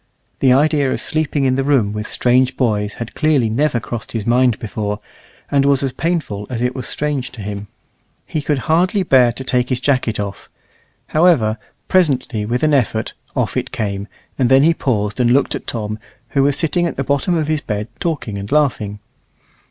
The idea of sleeping in the room with strange boys had clearly never crossed his mind before, and was as painful as it was strange to him. He could hardly bear to take his jacket off; however, presently, with an effort, off it came, and then he paused and looked at Tom, who was sitting at the bottom of his bed talking and laughing.